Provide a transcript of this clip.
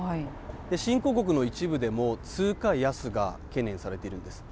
新興国の一部でも、通貨安が懸念されているんです。